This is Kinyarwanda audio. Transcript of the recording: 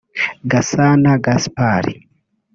Gasana Gaspard